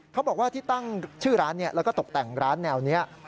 เขาบอกว่าที่ตั้งชื่อร้านแล้วก็ตกแต่งร้านแนวนี้